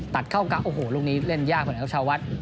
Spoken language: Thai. ตัดเข้ากล้าโอ้โหลุงนี้เล่นยากเหมือนกับชาวัฒน์